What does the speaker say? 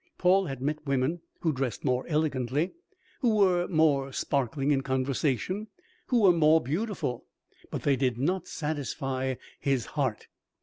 Paul had met women who dressed more elegantly, who were more sparkling in conversation, who were more beautiful, but they did not satisfy his heart.